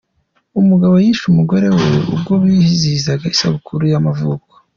Umugabo yishe umugore we ubwo bizihizaga isabukuru ye y’amavuko.